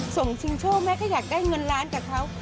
ส่งชิงโชคแม่ก็อยากได้เงินล้านจากเขา